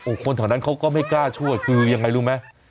คนแถวนั้นเขาก็ไม่กล้าช่วยคือยังไงรู้ไหม